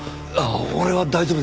俺は大丈夫ですけど。